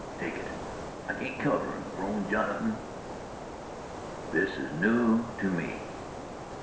"Take it, I can't cover him," groaned Jonathan. "This is new to me.